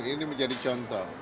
ini menjadi contoh